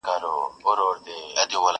له هري غیږي له هر یاره سره لوبي کوي،